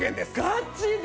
ガチで！？